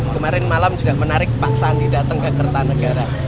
kemarin malam juga menarik pak sandi datang ke kertanegara